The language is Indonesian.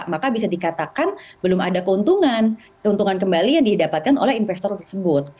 maka bisa dikatakan belum ada keuntungan keuntungan kembali yang didapatkan oleh investor tersebut